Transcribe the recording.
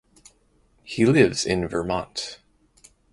He lives in Vermont.